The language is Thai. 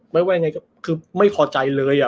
ว่ายังไงก็คือไม่พอใจเลย